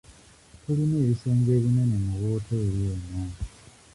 Tulina ebisenge ebinene mu wooteeri eno.